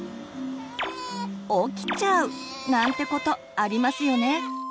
起きちゃう！なんてことありますよね。